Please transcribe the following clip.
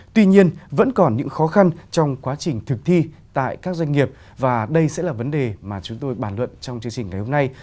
tuy nhiên vẫn còn những khó khăn trong quá trình thực thi tại các doanh nghiệp và đây sẽ là vấn đề mà chúng tôi bàn luận trong chương trình ngày hôm nay